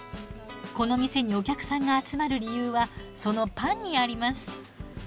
この店にお客さんが集まる理由はそのパンにあります。